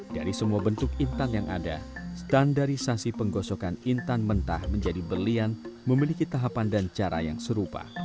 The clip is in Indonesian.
dari semua bentuk intan yang ada standarisasi penggosokan intan mentah menjadi berlian memiliki tahapan dan cara yang serupa